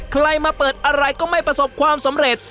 ใครมาเปิดอะไรก็ไม่ประสบความสำเร็จ